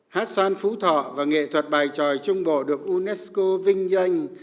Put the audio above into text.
hát xoan phú thọ và nghệ thuật bài tròi trung bộ được unesco vinh danh